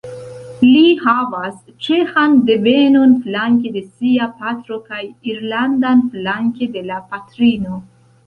Li havas ĉeĥan devenon flanke de sia patro kaj irlandan flanke de la patrino.